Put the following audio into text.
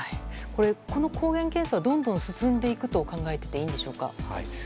この抗原検査はどんどん進んでいくと考えていいんでしょうか？